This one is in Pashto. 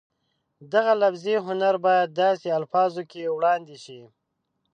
دغه لفظي هنر باید داسې الفاظو کې وړاندې شي